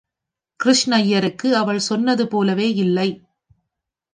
கிருஷ்ணய்யருக்கு அவள் சொன்னது போலவே இல்லை.